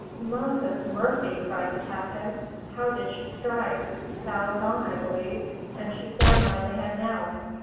"Moses Murphy!" cried the captain. "How did she strike? Bows on, I believe. And she's down by the head now.